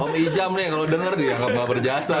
om ijam nih kalau denger dia gak berjasa